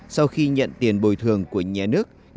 sau khi nhận được thuyền composite